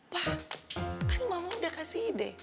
wah kan mama udah kasih ide